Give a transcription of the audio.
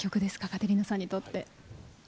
カテリーナさんにとって。